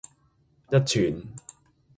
一串